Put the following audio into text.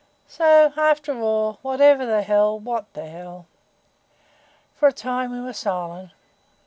So, after all, whatEVER the hell, WHAT the hell." For a time we were silent.